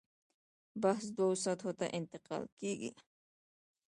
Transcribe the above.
بحث دوو سطحو ته انتقال کېږي.